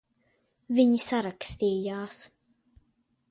Viņi sarakstījās.